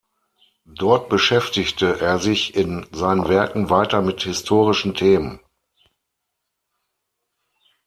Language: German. Dort beschäftigte er sich in seinen Werken weiter mit historischen Themen.